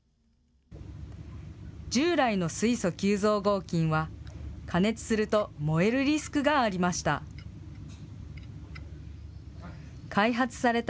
従来の水素吸蔵合金は、加熱すると燃えるリスクがありました。